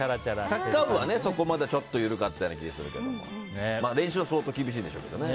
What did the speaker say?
サッカー部はそこは緩かった気がするけど練習は相当厳しいでしょうけど。